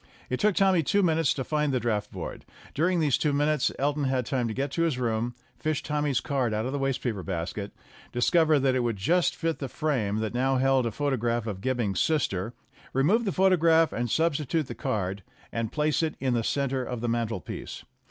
It took Tommy two minutes to find that draught board. During these two minutes Elton had time to get to his room, fish Tommy's card out of the waste paper basket, discover that it would just fit the frame that now held a photograph of Gibbing's sister, re move the photograph and substitute the card and place it in the center of the mantelpiece.